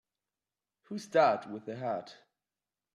Who's that with the hat?